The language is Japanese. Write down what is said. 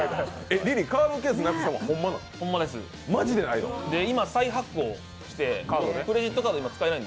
リリー、カードケースなくしたのはホンマなん？